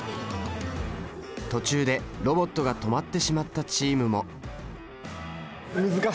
途中でロボットが止まってしまったチームも。